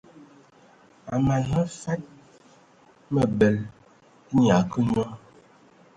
A mana hm fad mǝbǝl, nnye a akǝ nyɔ.